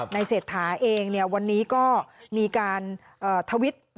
เศรษฐาเองวันนี้ก็มีการทวิต